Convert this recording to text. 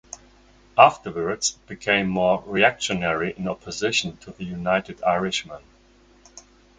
Afterwards it became more reactionary in opposition to the United Irishmen.